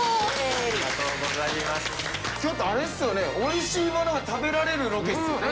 きょうってあれですよね、おいしいものが食べられるロケですよね。